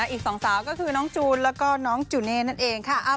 อีกสองสาวก็คือน้องจูนแล้วก็น้องจูเน่นั่นเองค่ะ